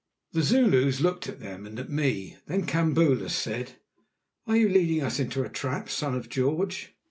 The Zulus looked at them and at me, then Kambula said: "Are you leading us into a trap, Son of George?"